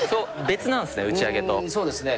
そうですね。